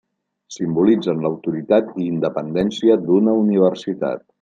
Simbolitzen l'autoritat i independència d'una universitat.